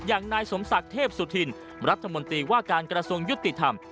อย่างนายสมศักดิ์เทพสุธินรัฐมนตรีว่าการกระทรวงยุติธรรม